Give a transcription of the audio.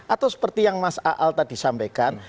atau seperti yang mas aal tadi sampaikan